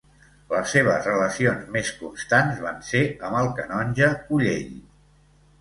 Les seves relacions més constants van ser amb el canonge Collell.